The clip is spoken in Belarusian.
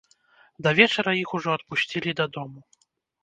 Да вечара іх ужо адпусцілі дадому.